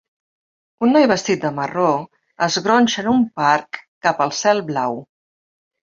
Un noi vestit de marró es gronxa en un parc cap al cel blau.